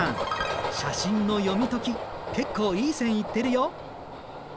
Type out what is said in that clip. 写真の読み解き結構いい線いってるよ。